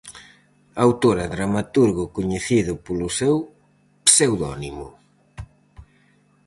Autor e dramaturgo coñecido polo seu pseudónimo.